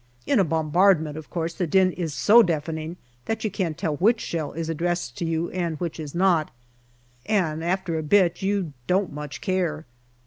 In a bombardment, of course, the din is so deafening that you can't tell which shell is addressed to you and which is not and after a bit you don't much care.